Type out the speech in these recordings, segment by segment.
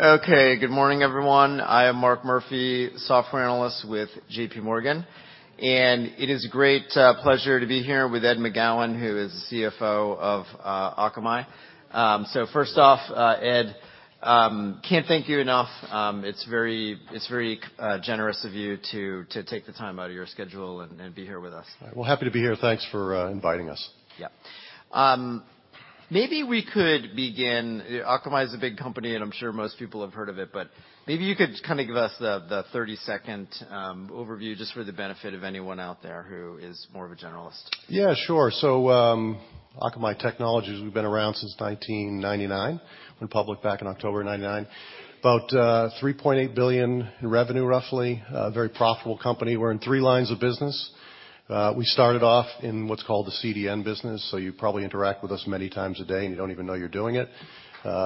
Okay. Good morning, everyone. I am Mark Murphy, software analyst with J.P. Morgan. It is a great pleasure to be here with Ed McGowan, who is the CFO of Akamai. First off, Ed, can't thank you enough. It's very generous of you to take the time out of your schedule and be here with us. Well, happy to be here. Thanks for inviting us. Yeah. Maybe we could begin... Akamai is a big company, and I'm sure most people have heard of it, but maybe you could kind of give us the 30-second overview, just for the benefit of anyone out there who is more of a generalist. Yeah, sure. Akamai Technologies, we've been around since 1999. Went public back in October of 1999. About $3.8 billion in revenue, roughly. A very profitable company. We're in three lines of business. We started off in what's called the CDN business, so you probably interact with us many times a day and you don't even know you're doing it.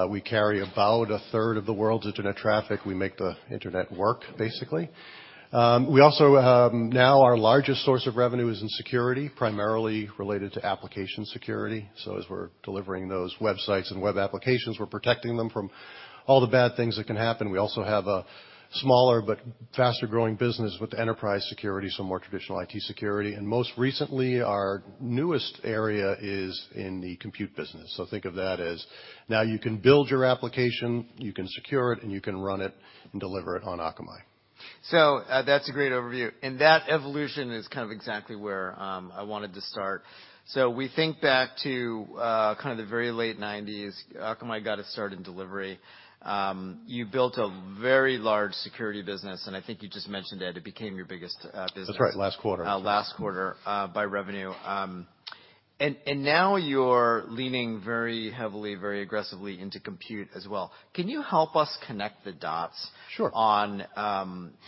We carry about a third of the world's internet traffic. We make the internet work, basically. We also. Now our largest source of revenue is in security, primarily related to application security. As we're delivering those websites and web applications, we're protecting them from all the bad things that can happen. We also have a smaller but faster growing business with enterprise security, so more traditional IT security. Most recently, our newest area is in the compute business. Think of that as now you can build your application, you can secure it, and you can run it and deliver it on Akamai. That's a great overview. That evolution is kind of exactly where I wanted to start. We think back to kind of the very late nineties, Akamai got its start in delivery. You built a very large security business, and I think you just mentioned that it became your biggest business. That's right. Last quarter. Last quarter, by revenue. Now you're leaning very heavily, very aggressively into compute as well. Can you help us connect the dots? Sure. on,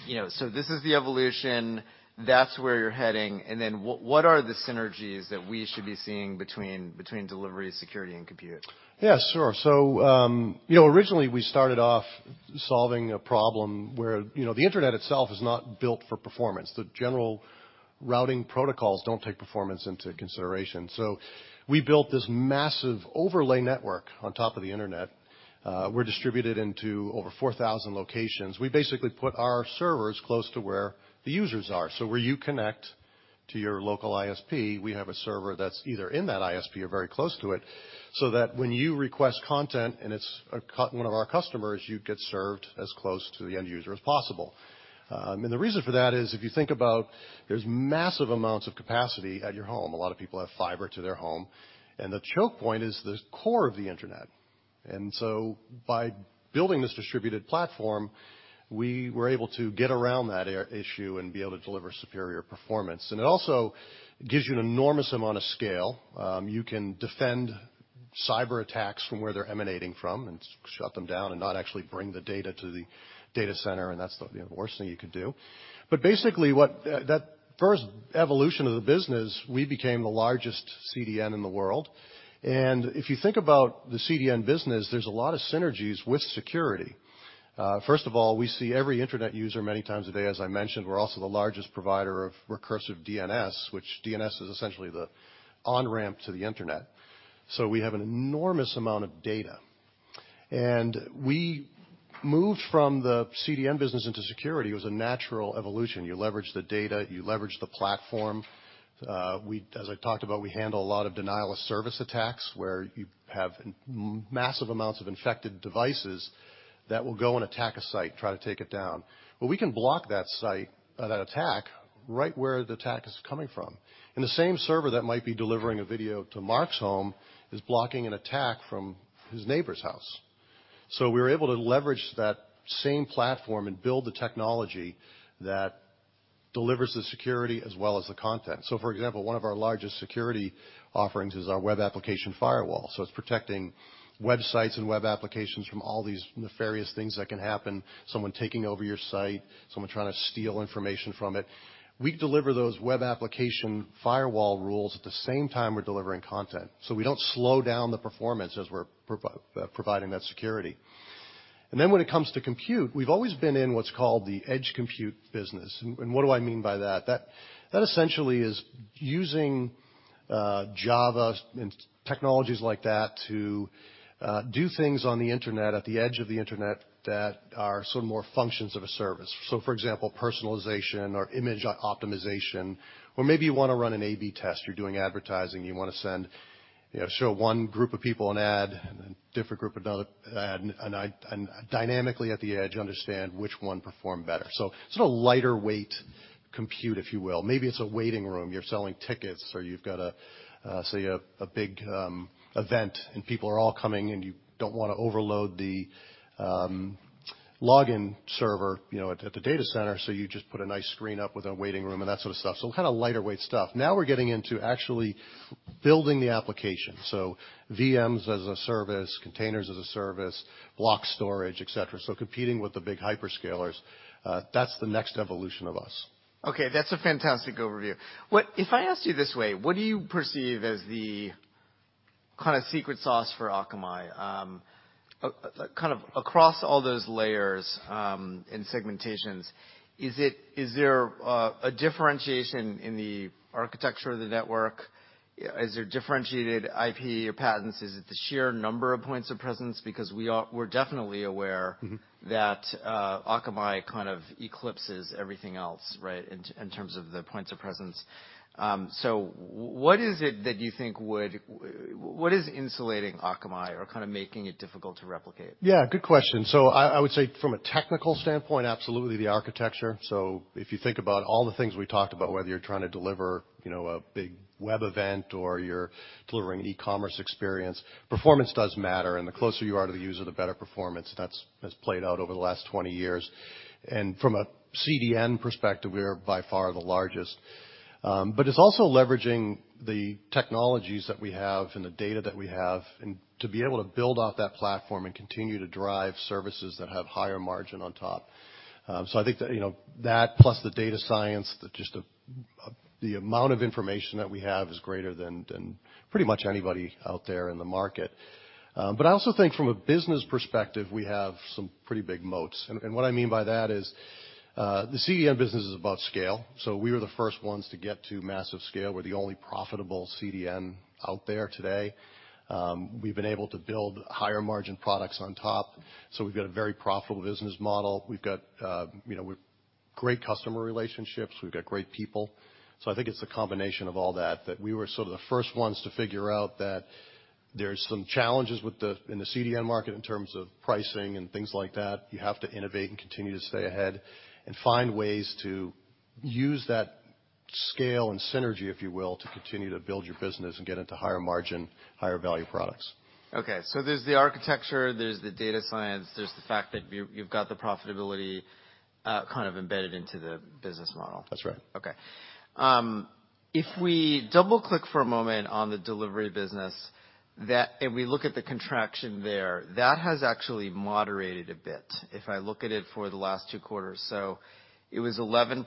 you know. This is the evolution. That's where you're heading. What are the synergies that we should be seeing between delivery, security, and compute? Yeah, sure. You know, originally we started off solving a problem where, you know, the Internet itself is not built for performance. The general routing protocols don't take performance into consideration. We built this massive overlay network on top of the Internet. We're distributed into over 4,000 locations. We basically put our servers close to where the users are. Where you connect to your local ISP, we have a server that's either in that ISP or very close to it, so that when you request content and it's one of our customers, you get served as close to the end user as possible. The reason for that is, if you think about, there's massive amounts of capacity at your home. A lot of people have fiber to their home. The choke point is the core of the Internet. By building this distributed platform, we were able to get around that issue and be able to deliver superior performance. It also gives you an enormous amount of scale. You can defend cyberattacks from where they're emanating from and shut them down and not actually bring the data to the data center, and that's the, you know, worst thing you could do. Basically, that first evolution of the business, we became the largest CDN in the world. If you think about the CDN business, there's a lot of synergies with security. First of all, we see every Internet user many times a day. As I mentioned, we're also the largest provider of recursive DNS, which DNS is essentially the on-ramp to the Internet. We have an enormous amount of data. We moved from the CDN business into security. It was a natural evolution. You leverage the data. You leverage the platform. As I talked about, we handle a lot of denial-of-service attacks, where you have massive amounts of infected devices that will go and attack a site, try to take it down. We can block that site, or that attack, right where the attack is coming from. The same server that might be delivering a video to Mark's home is blocking an attack from his neighbor's house. We're able to leverage that same platform and build the technology that delivers the security as well as the content. For example, one of our largest security offerings is our web application firewall, so it's protecting websites and web applications from all these nefarious things that can happen, someone taking over your site, someone trying to steal information from it. We deliver those web application firewall rules at the same time we're delivering content, so we don't slow down the performance as we're providing that security. When it comes to compute, we've always been in what's called the edge compute business. What do I mean by that? That essentially is using Java and technologies like that to do things on the Internet, at the edge of the Internet, that are sort of more functions of a service. For example, personalization or image optimization, or maybe you wanna run an A/B test. You're doing advertising. You wanna send, you know, show one group of people an ad and a different group an ad dynamically at the edge, understand which one performed better. Sort of a lighter weight compute, if you will. Maybe it's a waiting room. You're selling tickets or you've got a big event and people are all coming and you don't wanna overload the login server, you know, at the data center, so you just put a nice screen up with a waiting room and that sort of stuff. Kind of lighter weight stuff. Now we're getting into actually building the application. VMs as a service, Containers as a Service, block storage, et cetera. Competing with the big hyperscalers, that's the next evolution of us. Okay. That's a fantastic overview. If I asked you this way, what do you perceive as the Kind of secret sauce for Akamai? kind of across all those layers, and segmentations, is there a differentiation in the architecture of the network? Is there differentiated IP or patents? Is it the sheer number of points of presence? Because we're definitely aware Mm-hmm. that Akamai kind of eclipses everything else, right, in terms of the points of presence? What is insulating Akamai or kind of making it difficult to replicate? Yeah, good question. I would say from a technical standpoint, absolutely the architecture. If you think about all the things we talked about, whether you're trying to deliver, you know, a big web event or you're delivering e-commerce experience, performance does matter. The closer you are to the user, the better performance. That has played out over the last 20 years. From a CDN perspective, we are by far the largest. It's also leveraging the technologies that we have and the data that we have and to be able to build out that platform and continue to drive services that have higher margin on top. I think that, you know, that plus the data science, just the amount of information that we have is greater than pretty much anybody out there in the market. I also think from a business perspective, we have some pretty big moats. What I mean by that is, the CDN business is about scale. We were the first ones to get to massive scale. We're the only profitable CDN out there today. We've been able to build higher margin products on top. We've got a very profitable business model. We've got, you know, great customer relationships. We've got great people. I think it's a combination of all that we were sort of the first ones to figure out that there's some challenges in the CDN market in terms of pricing and things like that. You have to innovate and continue to stay ahead and find ways to use that scale and synergy, if you will, to continue to build your business and get into higher margin, higher value products. Okay. There's the architecture, there's the data science, there's the fact that you've got the profitability, kind of embedded into the business model. That's right. Okay. If we double-click for a moment on the delivery business, if we look at the contraction there, that has actually moderated a bit, if I look at it for the last two quarters. It was 11%.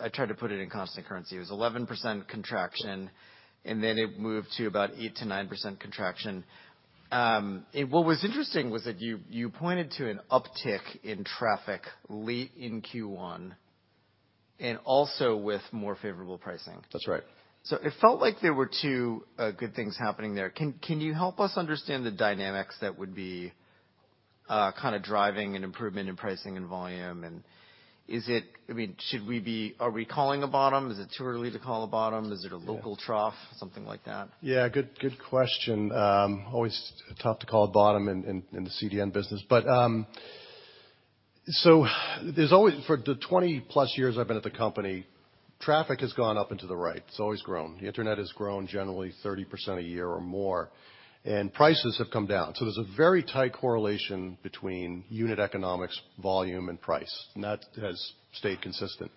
I tried to put it in constant currency. It was 11% contraction, and then it moved to about 8%-9% contraction. What was interesting was that you pointed to an uptick in traffic late in Q1 and also with more favorable pricing. That's right. It felt like there were two good things happening there. Can you help us understand the dynamics that would be kind of driving an improvement in pricing and volume? I mean, should we be... Are we calling a bottom? Is it too early to call a bottom? Is it a local trough, something like that? Yeah, good question. Always tough to call a bottom in the CDN business. There's always for the 20+ years I've been at the company, traffic has gone up into the right. It's always grown. The internet has grown generally 30% a year or more, and prices have come down. There's a very tight correlation between unit economics, volume, and price, and that has stayed consistent.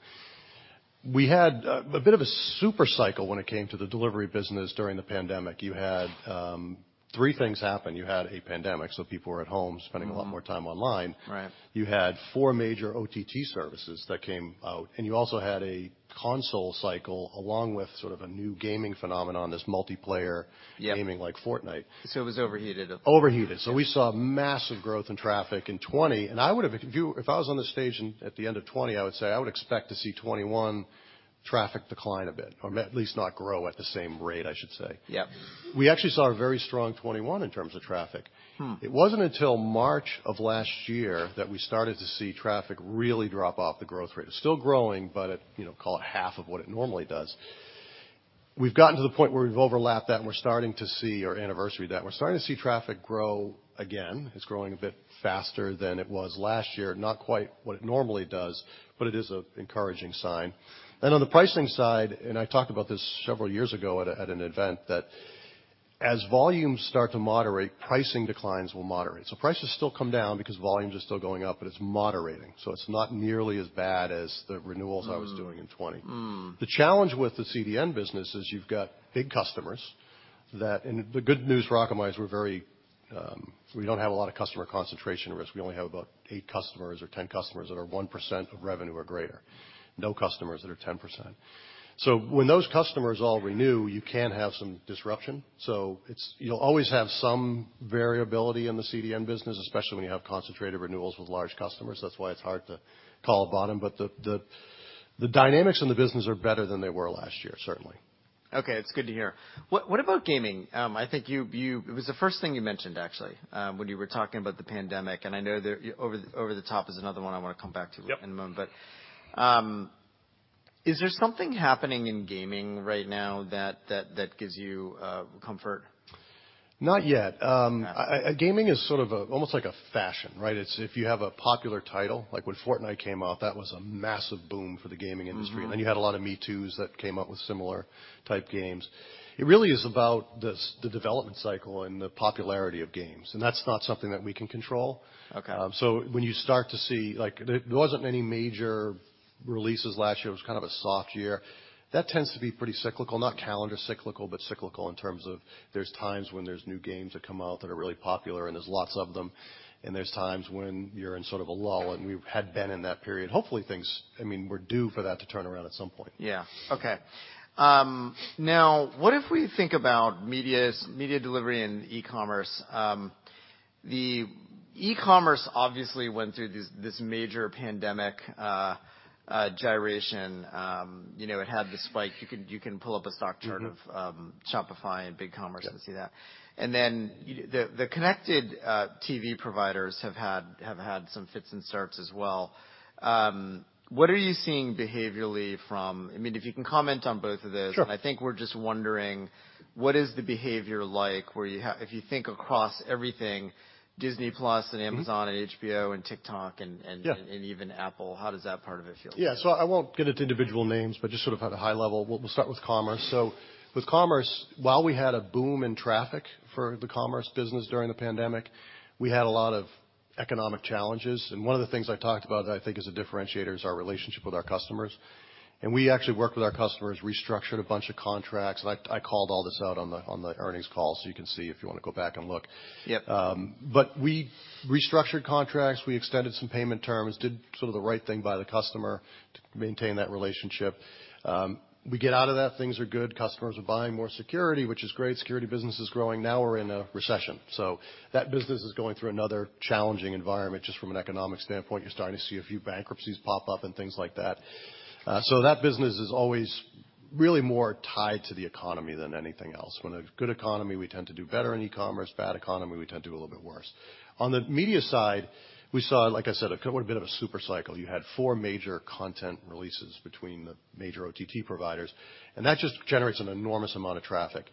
We had a bit of a super cycle when it came to the delivery business during the pandemic. You had three things happen. You had a pandemic, so people were at home spending a lot more time online. Right. You had 4 major OTT services that came out. You also had a console cycle along with sort of a new gaming phenomenon, this multiplayer... Yeah. gaming like Fortnite. It was overheated. Overheated. We saw massive growth in traffic in 2020. If I was on the stage at the end of 2020, I would say I would expect to see 2021 traffic decline a bit, or at least not grow at the same rate, I should say. Yeah. We actually saw a very strong 2021 in terms of traffic. Mm. It wasn't until March of last year that we started to see traffic really drop off the growth rate. It's still growing, but at, you know, call it half of what it normally does. We've gotten to the point where we've overlapped that, and we're starting to see our anniversary, that we're starting to see traffic grow again. It's growing a bit faster than it was last year. Not quite what it normally does, but it is an encouraging sign. On the pricing side, and I talked about this several years ago at a, at an event that as volumes start to moderate, pricing declines will moderate. Prices still come down because volumes are still going up, but it's moderating. It's not nearly as bad as the renewals I was doing in 2020. Mm. Mm. The challenge with the CDN business is you've got big customers that... The good news for Akamai is we're very, we don't have a lot of customer concentration risk. We only have about eight customers or 10 customers that are 1% of revenue or greater. No customers that are 10%. When those customers all renew, you can have some disruption. You'll always have some variability in the CDN business, especially when you have concentrated renewals with large customers. That's why it's hard to call a bottom. The dynamics in the business are better than they were last year, certainly. Okay, it's good to hear. What about gaming? It was the first thing you mentioned actually, when you were talking about the pandemic. I know there, over the top is another one I want to come back to. Yep. in a moment. Is there something happening in gaming right now that gives you comfort? Not yet. Gaming is sort of, almost like a fashion, right? It's if you have a popular title, like when Fortnite came out, that was a massive boom for the gaming industry. Mm-hmm. You had a lot of me-toos that came out with similar type games. It really is about the development cycle and the popularity of games, and that's not something that we can control. Okay. When you start to see, like there wasn't any major releases last year. It was kind of a soft year. That tends to be pretty cyclical. Not calendar cyclical, but cyclical in terms of there's times when there's new games that come out that are really popular and there's lots of them, and there's times when you're in sort of a lull, and we had been in that period. Hopefully, things... I mean, we're due for that to turn around at some point. Yeah. Okay. Now what if we think about media delivery and e-commerce? The e-commerce obviously went through this major pandemic gyration. You know, it had the spike. You can pull up a stock chart. Mm-hmm. Of Shopify and BigCommerce. Yep. See that. The Connected TV providers have had some fits and starts as well. What are you seeing behaviorally from... I mean, if you can comment on both of those. Sure. I think we're just wondering what is the behavior like if you think across everything Disney+. Mm-hmm. Amazon and HBO and TikTok. Yeah even Apple. How does that part of it feel? Yeah. I won't get into individual names, but just sort of at a high level, we'll start with commerce. With commerce, while we had a boom in traffic for the commerce business during the pandemic, we had a lot of economic challenges. One of the things I talked about that I think is a differentiator is our relationship with our customers. We actually worked with our customers, restructured a bunch of contracts. I called all this out on the earnings call, so you can see if you wanna go back and look. Yep. We restructured contracts, we extended some payment terms, did sort of the right thing by the customer to maintain that relationship. We get out of that. Things are good. Customers are buying more security, which is great. Security business is growing. Now, we're in a recession. That business is going through another challenging environment just from an economic standpoint. You're starting to see a few bankruptcies pop up and things like that. That business is always really more tied to the economy than anything else. When a good economy, we tend to do better in e-commerce. Bad economy, we tend to do a little bit worse. On the media side, we saw, like I said, a bit of a super cycle. You had four major content releases between the major OTT providers, that just generates an enormous amount of traffic.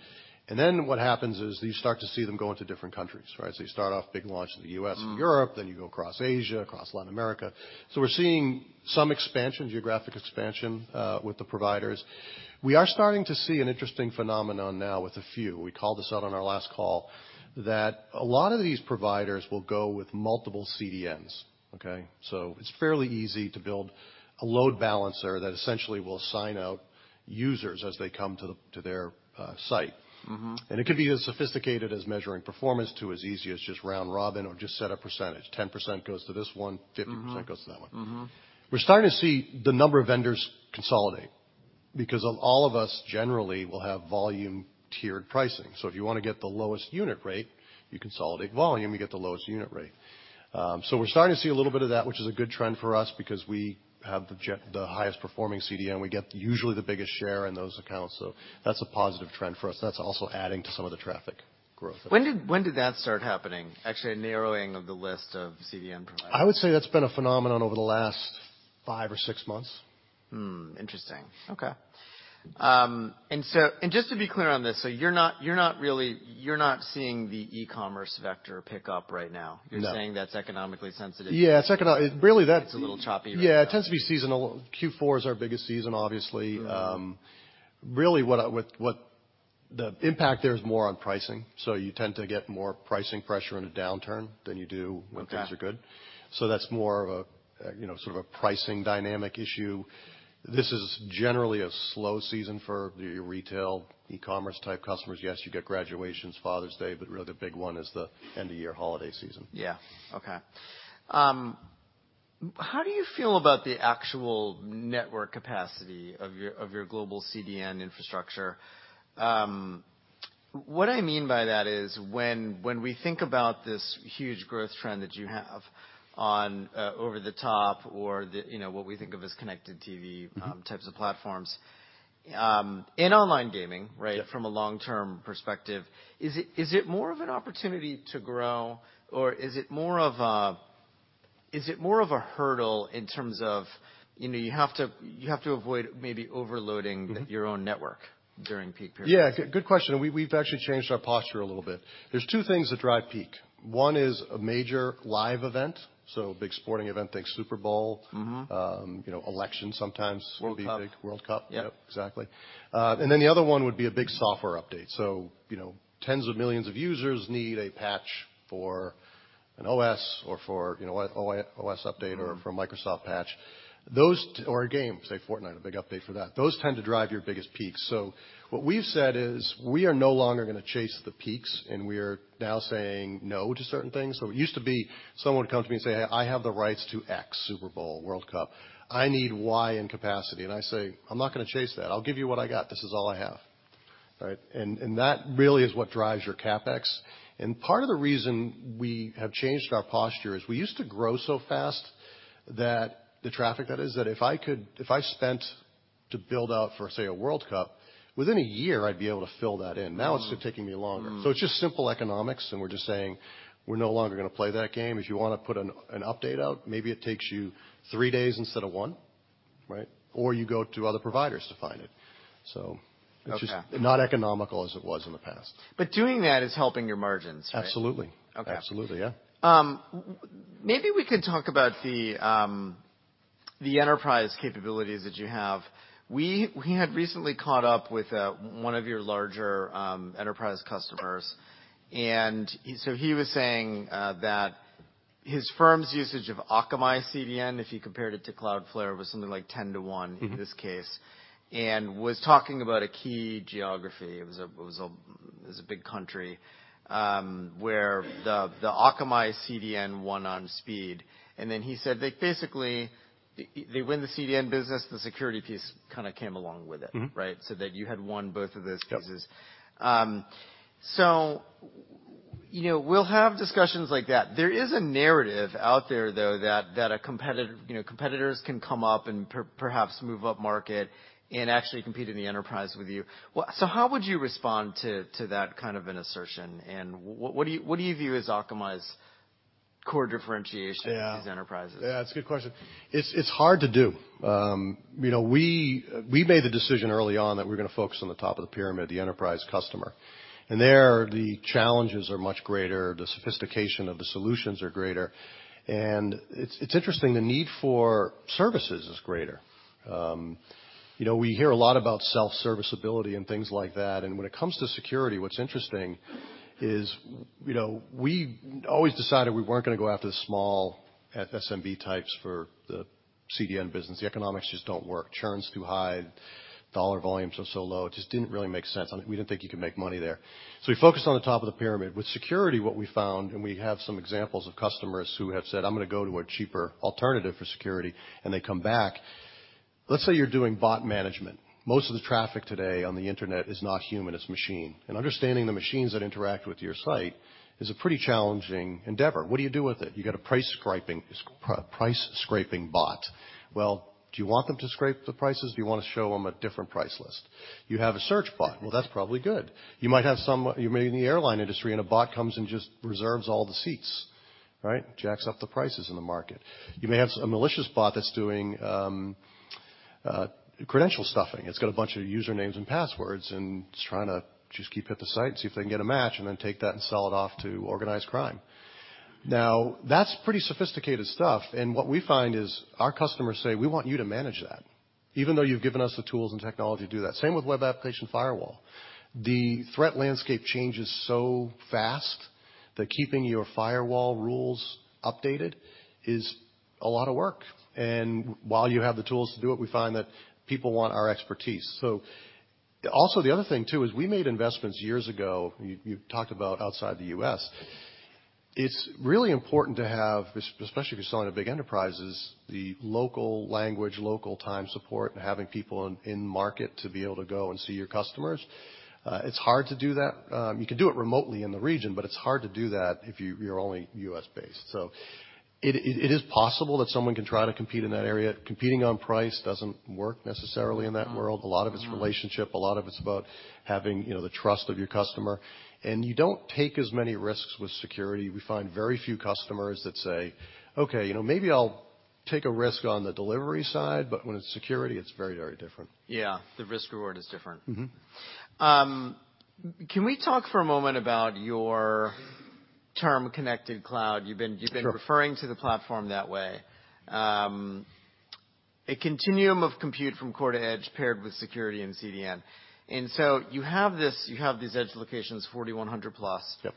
what happens is you start to see them go into different countries, right? you start off big launch in the U.S. Mm. Europe, you go across Asia, across Latin America. We're seeing some expansion, geographic expansion with the providers. We are starting to see an interesting phenomenon now with a few, we called this out on our last call, that a lot of these providers will go with multiple CDNs, okay? It's fairly easy to build a load balancer that essentially will sign out users as they come to their site. Mm-hmm. It can be as sophisticated as measuring performance to as easy as just round robin or just set a percentage. 10% goes to this one. Mm-hmm. 50% goes to that one. Mm-hmm. We're starting to see the number of vendors consolidate because all of us generally will have volume tiered pricing. If you wanna get the lowest unit rate, you consolidate volume, you get the lowest unit rate. We're starting to see a little bit of that, which is a good trend for us because we have the highest performing CDN. We get usually the biggest share in those accounts. That's a positive trend for us. That's also adding to some of the traffic growth. When did that start happening, actually, a narrowing of the list of CDN providers? I would say that's been a phenomenon over the last five or six months. Hmm, interesting. Okay. Just to be clear on this, you're not seeing the e-commerce vector pick up right now? No. You're saying that's economically sensitive. Yeah, it's Really. It's a little choppy right now. Yeah, it tends to be seasonal. Q4 is our biggest season, obviously. The impact there is more on pricing. You tend to get more pricing pressure in a downturn than you do-. Okay... when things are good. That's more of a, you know, sort of a pricing dynamic issue. This is generally a slow season for your retail e-commerce type customers. Yes, you get graduations, Father's Day, but really the big one is the end of year holiday season. Okay. How do you feel about the actual network capacity of your global CDN infrastructure? What I mean by that is when we think about this huge growth trend that you have on over the top or the, you know, what we think of as Connected TV... Mm-hmm... types of platforms, in online gaming, right? Yep. From a long-term perspective, is it more of an opportunity to grow, or is it more of a hurdle in terms of, you know, you have to avoid maybe overloading-? Mm-hmm your own network during peak periods? Yeah, good question. We've actually changed our posture a little bit. There's two things that drive peak. One is a major live event, so big sporting event, think Super Bowl. Mm-hmm. you know, election sometimes... World Cup. Can be big. World Cup. Yep. Exactly. The other one would be a big software update. You know, tens of millions of users need a patch for an OS. Mm-hmm... or for a Microsoft patch. Those. Or a game, say Fortnite, a big update fo r that. Those tend to drive your biggest peaks. What we've said is we are no longer going to chase the peaks, and we are now saying no to certain things. It used to be someone would come to me and say, "I have the rights to X, Super Bowl, World Cup. I need Y in capacity." I say, "I'm not going to chase that. I'll give you what I got. This is all I have." Right? And that really is what drives your CapEx. Part of the reason we have changed our posture is we used to grow so fast that the traffic, that is, that if I spent to build out for, say, a World Cup, within a year, I'd be able to fill that in. Mm. Now it's taking me longer. Mm. It's just simple economics, and we're just saying we're no longer gonna play that game. If you wanna put an update out, maybe it takes you 3 days instead of 1, right? You go to other providers to find it. It's just. Okay not economical as it was in the past. Doing that is helping your margins, right? Absolutely. Okay. Absolutely, yeah. Maybe we could talk about the enterprise capabilities that you have. We had recently caught up with one of your larger, enterprise customers. He was saying that his firm's usage of Akamai CDN, if you compared it to Cloudflare, was something like 10-1. Mm-hmm... in this case, was talking about a key geography, it was a big country, where the Akamai CDN won on speed. Then he said They win the CDN business, the security piece kinda came along with it. Mm-hmm. Right? That you had won both of those pieces. Yep. You know, we'll have discussions like that. There is a narrative out there, though, that competitors can come up and perhaps move upmarket and actually compete in the enterprise with you. How would you respond to that kind of an assertion, and what do you view as Akamai's core differentiation? Yeah. to these enterprises? Yeah, it's a good question. It's hard to do. You know, we made the decision early on that we're gonna focus on the top of the pyramid, the enterprise customer. There, the challenges are much greater, the sophistication of the solutions are greater, and it's interesting, the need for services is greater. You know, we hear a lot about self-service ability and things like that, and when it comes to security, what's interesting is, you know, we always decided we weren't gonna go after the small SMB types for the CDN business. The economics just don't work. Churn's too high. Dollar volumes are so low. It just didn't really make sense. We didn't think you could make money there. We focused on the top of the pyramid. With security, what we found, and we have some examples of customers who have said, "I'm gonna go to a cheaper alternative for security," and they come back. Let's say you're doing bot management. Most of the traffic today on the Internet is not human, it's machine. Understanding the machines that interact with your site is a pretty challenging endeavor. What do you do with it? You got a price-scraping bot. Well, do you want them to scrape the prices? Do you wanna show them a different price list? You have a search bot. Well, that's probably good. You may be in the airline industry, and a bot comes and just reserves all the seats, right? Jacks up the prices in the market. You may have a malicious bot that's doing credential stuffing. It's got a bunch of usernames and passwords, and it's trying to just keep hitting the site and see if they can get a match, and then take that and sell it off to organized crime. That's pretty sophisticated stuff, and what we find is our customers say, "We want you to manage that, even though you've given us the tools and technology to do that." Same with web application firewall. The threat landscape changes so fast that keeping your firewall rules updated is a lot of work. While you have the tools to do it, we find that people want our expertise. Also, the other thing, too, is we made investments years ago, you talked about outside the U.S. It's really important to have, especially if you're selling to big enterprises, the local language, local time support, and having people in market to be able to go and see your customers. It's hard to do that. You can do it remotely in the region, but it's hard to do that if you're only US-based. It is possible that someone can try to compete in that area. Competing on price doesn't work necessarily in that world. Mm-hmm. Mm. A lot of it's relationship. A lot of it's about having, you know, the trust of your customer. You don't take as many risks with security. We find very few customers that say, "Okay, you know, maybe I'll take a risk on the delivery side," but when it's security, it's very, very different. Yeah. The risk/reward is different. Mm-hmm. Can we talk for a moment about your term Connected Cloud? Sure. You've been referring to the platform that way. A continuum of compute from core to edge paired with security and CDN. You have these edge locations, 4,100 plus. Yep.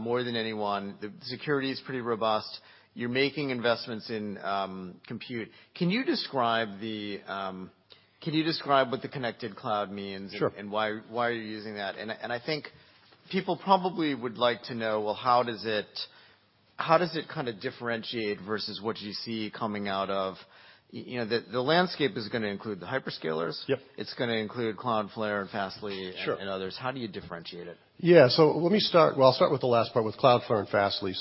More than anyone. The security is pretty robust. You're making investments in compute. Can you describe what the Connected Cloud means? Sure. Why are you using that? I think people probably would like to know, well, how does it kinda differentiate versus what you see coming out of. You know, the landscape is gonna include the hyperscalers. Yep. It's gonna include Cloudflare and Fastly. Sure. Others. How do you differentiate it? Yeah. Well, I'll start with the last part, with Cloudflare and Fastly.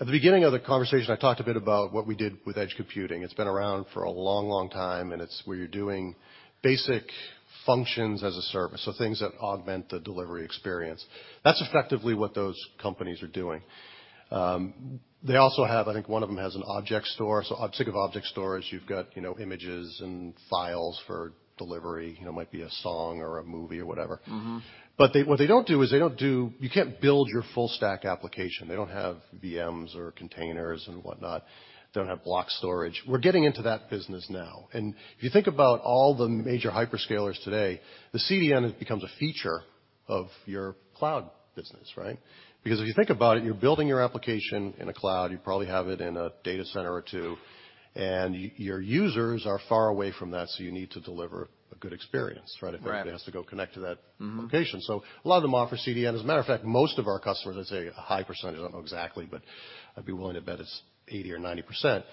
At the beginning of the conversation, I talked a bit about what we did with edge computing. It's been around for a long, long time, and it's where you're doing basic functions as a service. Things that augment the delivery experience. That's effectively what those companies are doing. They also have, I think one of them has an object store. A type of object store is you've got, you know, images and files for delivery. You know, it might be a song or a movie or whatever. Mm-hmm. They don't do. You can't build your full stack application. They don't have VMs or containers and whatnot. Don't have block storage. We're getting into that business now. If you think about all the major hyperscalers today, the CDN has become a feature of your cloud business, right? If you think about it, you're building your application in a cloud. You probably have it in a data center or two, and your users are far away from that, so you need to deliver a good experience, right? Right. Everybody has to go connect to that location. Mm-hmm. A lot of them offer CDN. As a matter of fact, most of our customers, I'd say a high percentage, I don't know exactly, but I'd be willing to bet it's 80% or 90%,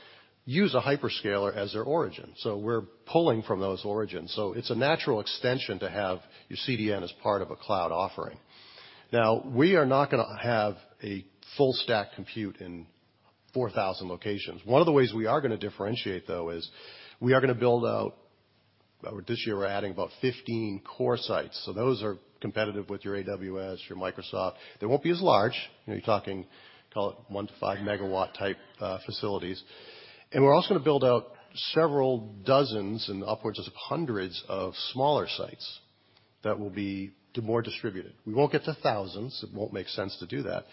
use a hyperscaler as their origin. We're pulling from those origins. It's a natural extension to have your CDN as part of a cloud offering. Now, we are not gonna have a full stack compute in 4,000 locations. One of the ways we are gonna differentiate, though, is this year, we're adding about 15 core sites. Those are competitive with your AWS, your Microsoft. They won't be as large. You know, you're talking, call it 1-5 megawatt type facilities. We're also gonna build out several dozens and upwards of hundreds of smaller sites that will be more distributed. We won't get to thousands. It won't make sense to do that,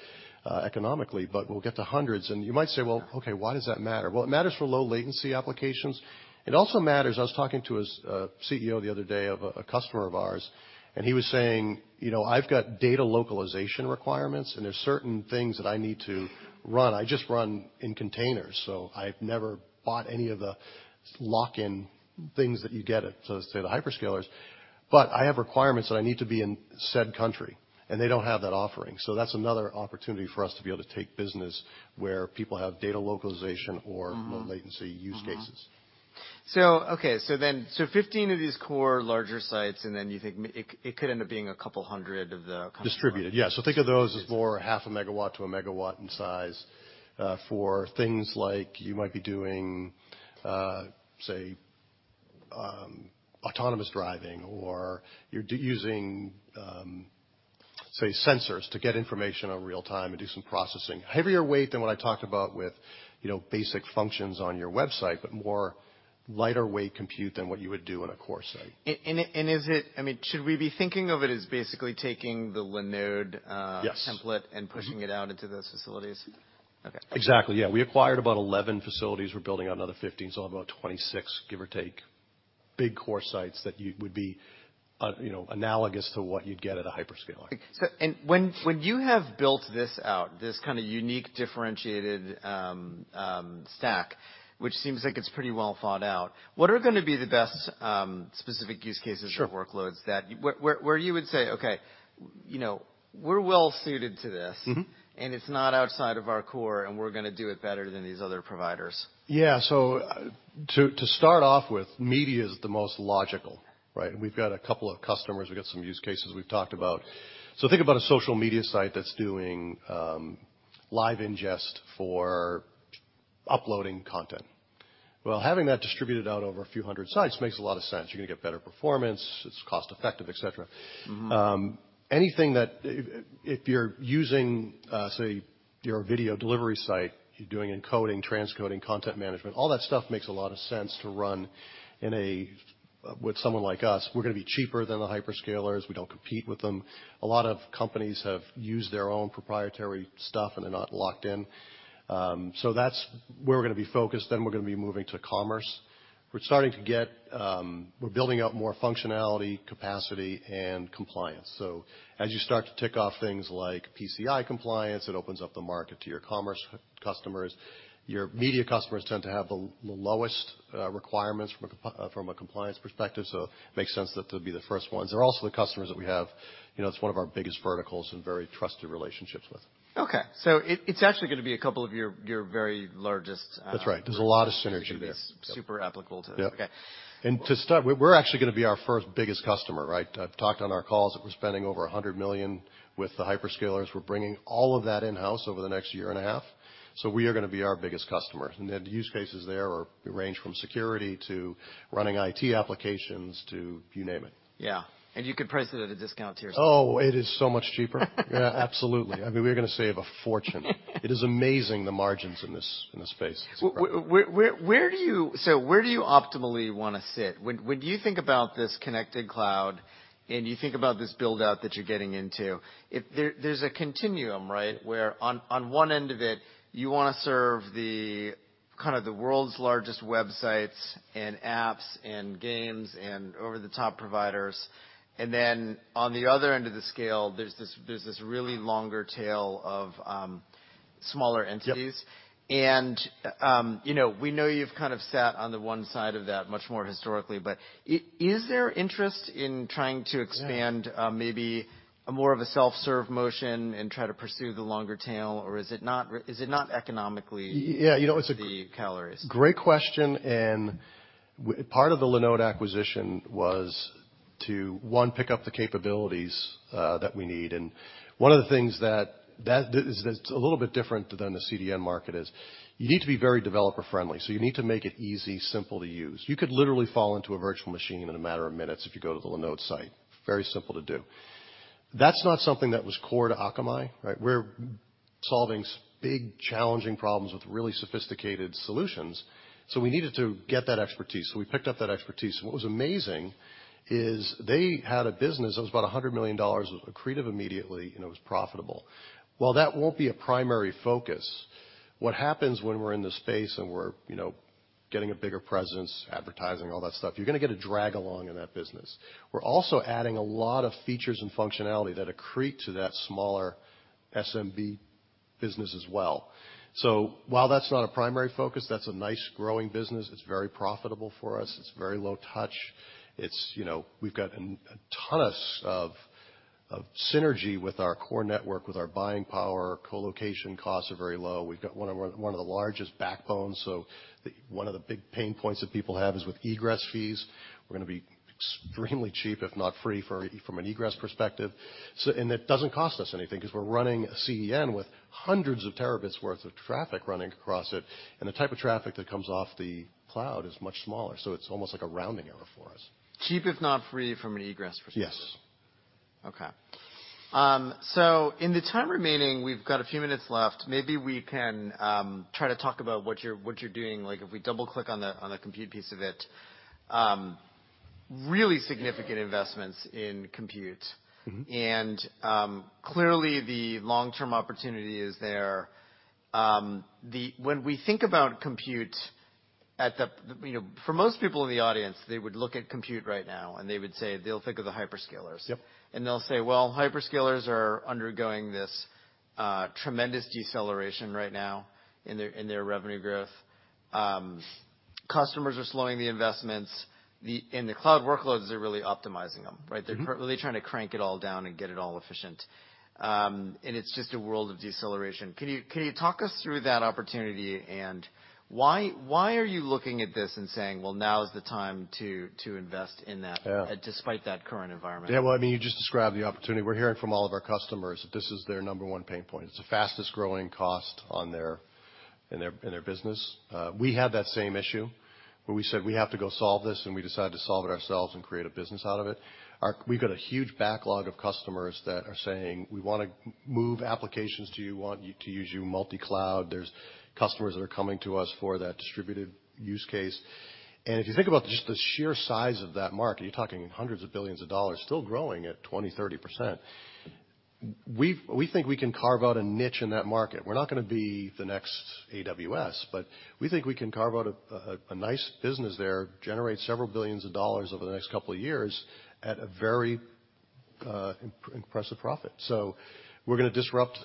economically, but we'll get to hundreds. You might say, "Well, okay, why does that matter?" Well, it matters for low latency applications. It also matters... I was talking to a CEO the other day of a customer of ours, and he was saying, "You know, I've got data localization requirements, and there's certain things that I need to run. I just run in containers, so I've never bought any of the lock-in things that you get at, so to say, the hyperscalers. I have requirements that I need to be in said country, and they don't have that offering." That's another opportunity for us to be able to take business where people have data localization. Mm-hmm. low latency use cases. Okay, so 15 of these core larger sites, and then you think it could end up being a couple hundred of the- Distributed. Think of those as more half a megawatt to a megawatt in size for things like you might be doing, say, autonomous driving or you're using, say, sensors to get information on real-time and do some processing. Heavier weight than what I talked about with, you know, basic functions on your website, but more lighter weight compute than what you would do in a core site. I mean, should we be thinking of it as basically taking the Linode... Yes. -template and pushing it out into those facilities? Okay. Exactly, yeah. We acquired about 11 facilities. We're building out another 15, so about 26, give or take, big core sites that would be, you know, analogous to what you'd get at a hyperscaler. When you have built this out, this kinda unique, differentiated stack, which seems like it's pretty well thought out, what are gonna be the best specific use cases? Sure. -or workloads that... Where you would say, "Okay, you know, we're well suited to this... Mm-hmm. It's not outside of our core, and we're gonna do it better than these other providers? Yeah. To start off with, media is the most logical, right? We've got a couple of customers. We've got some use cases we've talked about. Think about a social media site that's doing live ingest for uploading content. Well, having that distributed out over a few 100 sites makes a lot of sense. You're gonna get better performance, it's cost effective, et cetera. Mm-hmm. Anything that... If you're using, say, your video delivery site, you're doing encoding, transcoding, content management, all that stuff makes a lot of sense to run with someone like us. We're gonna be cheaper than the hyperscalers. We don't compete with them. A lot of companies have used their own proprietary stuff, and they're not locked in. That's where we're gonna be focused. We're gonna be moving to commerce. We're building out more functionality, capacity, and compliance. As you start to tick off things like PCI compliance, it opens up the market to your commerce customers. Your media customers tend to have the lowest requirements from a compliance perspective, it makes sense that they'll be the first ones. They're also the customers that we have. You know, it's one of our biggest verticals and very trusted relationships with. Okay. It's actually gonna be a couple of your very largest. That's right. There's a lot of synergy there. Super applicable to it. Yep. Okay. To start, we're actually gonna be our first biggest customer, right? I've talked on our calls that we're spending over $100 million with the hyperscalers. We're bringing all of that in-house over the next year and a half. We are gonna be our biggest customer. The use cases there are range from security to running IT applications to you name it. Yeah. You could price it at a discount to yourself. Oh, it is so much cheaper. Yeah, absolutely. I mean, we're gonna save a fortune. It is amazing the margins in this space. Where do you optimally wanna sit? When you think about this Connected Cloud and you think about this build-out that you're getting into, there's a continuum, right? Where on one end of it, you wanna serve the kind of the world's largest websites and apps and games and over-the-top providers. On the other end of the scale, there's this really longer tail of smaller entities. Yep. you know, we know you've kind of sat on the one side of that much more historically. Is there interest in trying to expand- Yeah. maybe more of a self-serve motion and try to pursue the longer tail? Or is it not is it not economically- Yeah. You know, viable or realistic? Great question. Part of the Linode acquisition was to, one, pick up the capabilities that we need. One of the things that is a little bit different than the CDN market is you need to be very developer-friendly. You need to make it easy, simple to use. You could literally fall into a virtual machine in a matter of minutes if you go to the Linode site. Very simple to do. That's not something that was core to Akamai, right? We're solving big challenging problems with really sophisticated solutions. We needed to get that expertise, so we picked up that expertise. What was amazing is they had a business that was about $100 million accretive immediately, and it was profitable. While that won't be a primary focus, what happens when we're in the space and we're, you know, getting a bigger presence, advertising, all that stuff, you're gonna get a drag along in that business. We're also adding a lot of features and functionality that accrete to that smaller SMB business as well. While that's not a primary focus, that's a nice growing business. It's very profitable for us. It's very low touch. It's, you know, we've got a ton of synergy with our core network, with our buying power. Colocation costs are very low. We've got one of the largest backbones, one of the big pain points that people have is with egress fees. We're gonna be extremely cheap, if not free, from an egress perspective. It doesn't cost us anything 'cause we're running a CDN with hundreds of terabits worth of traffic running across it, and the type of traffic that comes off the cloud is much smaller. It's almost like a rounding error for us. Cheap, if not free, from an egress perspective. Yes. Okay. In the time remaining, we've got a few minutes left. Maybe we can try to talk about what you're doing. If we double-click on the, on the compute piece of it, really significant investments in compute. Mm-hmm. clearly, the long-term opportunity is there. When we think about compute, you know, for most people in the audience, they would look at compute right now, and they would say they'll think of the hyperscalers. Yep. They'll say, "Well, hyperscalers are undergoing this tremendous deceleration right now in their, in their revenue growth. Customers are slowing the investments." In the cloud workloads, they're really optimizing them, right? Mm-hmm. They're currently trying to crank it all down and get it all efficient. It's just a world of deceleration. Can you talk us through that opportunity and why are you looking at this and saying, "Well, now is the time to invest in that... Yeah. -despite that current environment? Yeah. Well, I mean, you just described the opportunity. We're hearing from all of our customers that this is their number-one pain point. It's the fastest growing cost in their business. We had that same issue, where we said, "We have to go solve this," and we decided to solve it ourselves and create a business out of it. We've got a huge backlog of customers that are saying, "We wanna move applications to you, to use you multi-cloud." There's customers that are coming to us for that distributed use case. If you think about just the sheer size of that market, you're talking hundreds of billions of dollars still growing at 20%, 30%. We think we can carve out a niche in that market. We're not gonna be the next AWS, but we think we can carve out a nice business there, generate several billions of dollars over the next couple of years at a very impressive profit. We're gonna disrupt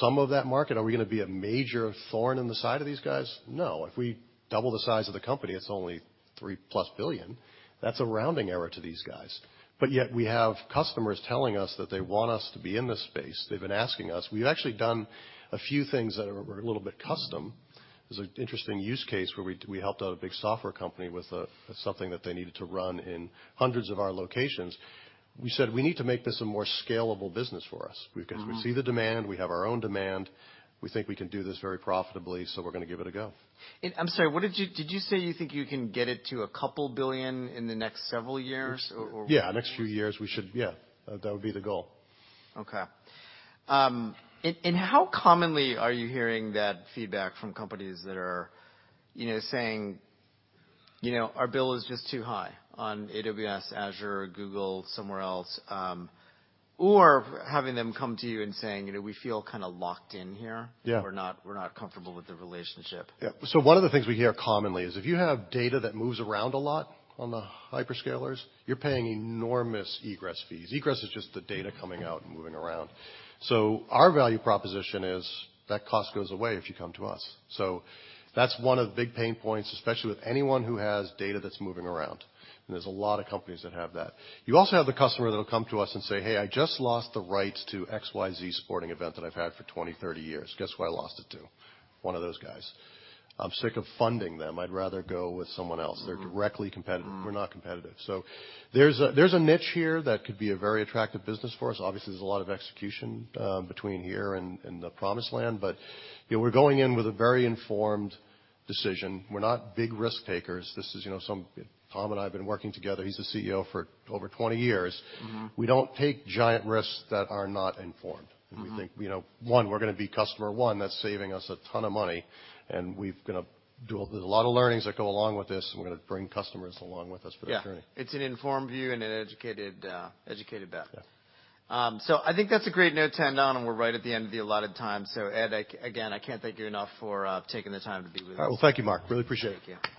some of that market. Are we gonna be a major thorn in the side of these guys? No. If we double the size of the company, it's only $3+ billion. That's a rounding error to these guys. Yet we have customers telling us that they want us to be in this space. They've been asking us. We've actually done a few things that are a little bit custom. There's an interesting use case where we helped out a big software company with something that they needed to run in hundreds of our locations. We said, "We need to make this a more scalable business for us. Mm-hmm. We see the demand, we have our own demand, we think we can do this very profitably, so we're gonna give it a go. I'm sorry, Did you say you think you can get it to a couple billion in the next several years or... Yeah, next few years. Yeah, that would be the goal. And how commonly are you hearing that feedback from companies that are, you know, saying, you know, "Our bill is just too high on AWS, Azure, Google, somewhere else," or having them come to you and saying, you know, "We feel kinda locked in here? Yeah. We're not comfortable with the relationship. Yeah. One of the things we hear commonly is if you have data that moves around a lot on the hyperscalers, you're paying enormous egress fees. Egress is just the data coming out and moving around. Our value proposition is that cost goes away if you come to us. That's one of the big pain points, especially with anyone who has data that's moving around, and there's a lot of companies that have that. You also have the customer that'll come to us and say, "Hey, I just lost the rights to XYZ sporting event that I've had for 20, 30 years. Guess who I lost it to? One of those guys. I'm sick of funding them. I'd rather go with someone else. Mm-hmm. They're directly competitive. We're not competitive. There's a niche here that could be a very attractive business for us. Obviously, there's a lot of execution between here and the promised land, but, you know, we're going in with a very informed decision. We're not big risk takers. This is, you know, Tom and I have been working together, he's the CEO, for over 20 years. Mm-hmm. We don't take giant risks that are not informed. Mm-hmm. We think, you know, 1, we're gonna be customer 1. That's saving us a ton of money. There's a lot of learnings that go along with this. We're gonna bring customers along with us for the journey. Yeah. It's an informed view and an educated bet. Yeah. I think that's a great note to end on, and we're right at the end of the allotted time. Ed, again, I can't thank you enough for taking the time to be with us. All right. Well, thank you, Mark. Really appreciate it. Thank you.